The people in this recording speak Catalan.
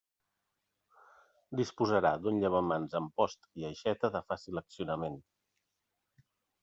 Disposarà d'un llavamans amb post i aixeta de fàcil accionament.